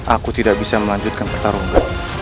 aku tidak bisa melanjutkan pertarungan